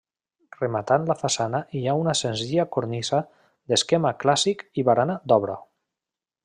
Rematant la façana hi ha una senzilla cornisa d'esquema clàssic i barana d'obra.